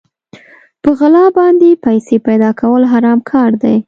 په غلا باندې پيسې پيدا کول حرام کار دی.